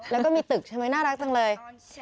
แล้วก็มีตึกใช่ไหมน่ารักจังเลย